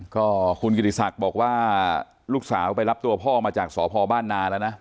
ก็คุณกิติศักดิ์บอกว่าลูกสาวไปรับตัวพ่อมาจากสพบ้านนาแล้วนะ